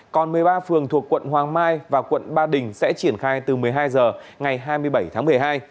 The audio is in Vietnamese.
còn một mươi ba phường thuộc quận hoàng mai và quận ba đình sẽ triển khai từ một mươi hai h ngày hai mươi bảy tháng một mươi hai